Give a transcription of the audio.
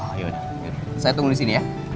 oh yaudah saya tunggu disini ya